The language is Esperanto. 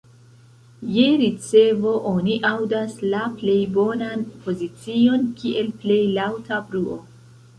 Je ricevo oni aŭdas la plej bonan pozicion kiel plej laŭta bruo.